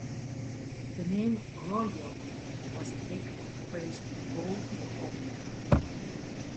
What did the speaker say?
The name "Rollyo" was a take on the phrase "roll your own.